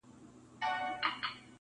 خدای ورکړي دوه زامن په یوه شپه وه,